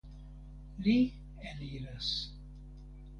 Li eniras.